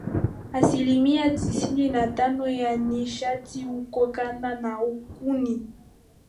Asilimia tisini na tano ya nishati hutokana na kuni